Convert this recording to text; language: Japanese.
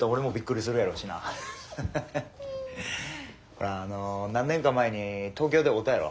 ほらあの何年か前に東京で会うたやろ。